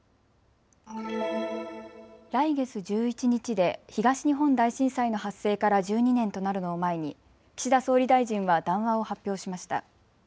来月１１日で東日本大震災の発生から１２年となるのを前に岸田総理大臣は談話を発表しました。